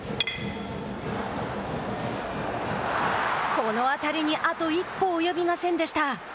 この当たりにあと一歩及びませんでした。